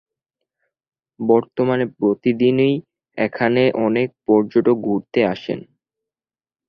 বর্তমানে প্রতিদিনই এখানে অনেক পর্যটক ঘুরতে আসেন।